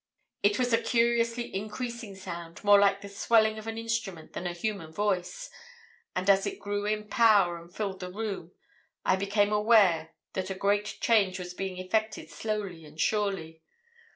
"It was a curiously increasing sound, more like the swelling of an instrument than a human voice; and as it grew in power and filled the room, I became aware that a great change was being effected slowly and surely.